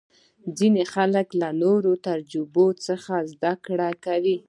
ځینې خلک له نورو تجربو څخه زده کړه کوي.